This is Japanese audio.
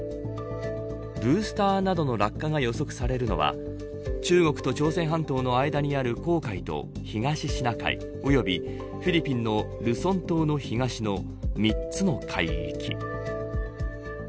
ブースターなどの落下が予測されるのは中国と朝鮮半島の間にある黄海と東シナ海及びフィリピンのルソン島の東の３つの海域。